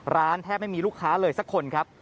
แทบไม่มีลูกค้าเลยสักคนครับ